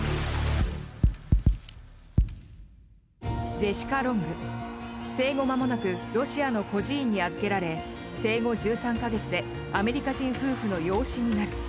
ジェシカ・ロング生後まもなくロシアの孤児院に預けられ生後１３か月でアメリカ人夫婦の養子になる。